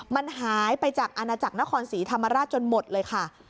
มันหายไปจากอาณาจักรนครศรีธรรมราชจนหมดเลยค่ะ